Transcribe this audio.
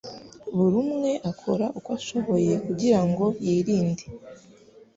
buri umwe akora uko ashoboye kugira ngo yirinde